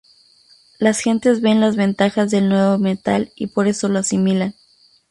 Las gentes ven las ventajas del nuevo metal y por eso lo asimilan.